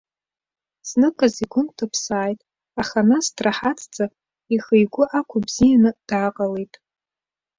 Зныказ игәы нҭыԥсааит, аха нас драҳаҭӡа, ихы игәы ақәыбзиан дааҟалеит.